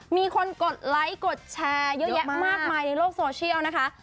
มีคนกดไลค์กดแชร์เยอะแยะมากมายในโลกโซเชียลนะคะ